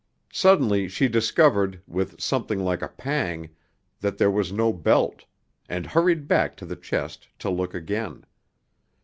Suddenly she discovered, with something like a pang, that there was no belt, and hurried back to the chest to look again.